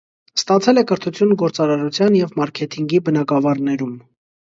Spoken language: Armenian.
Ստացել է կրթություն գործարարության և մարքեթինգի բնագավառներում։